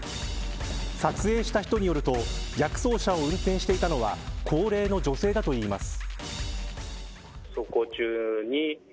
撮影した人によると逆走車を運転していたのは高齢の女性だといいます。